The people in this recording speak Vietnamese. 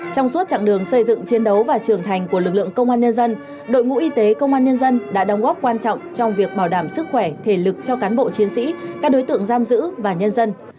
trong suốt chặng đường xây dựng chiến đấu và trưởng thành của lực lượng công an nhân dân đội ngũ y tế công an nhân dân đã đóng góp quan trọng trong việc bảo đảm sức khỏe thể lực cho cán bộ chiến sĩ các đối tượng giam giữ và nhân dân